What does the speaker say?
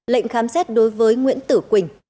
lệnh khám xét đối với nguyễn tử quỳnh